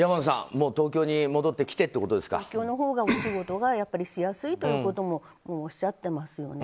もう東京に戻ってきて東京のほうがお仕事はしやすいということもおっしゃっていますよね。